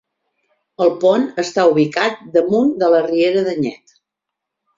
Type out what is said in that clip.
El pont està ubicat damunt de la riera d'Anyet.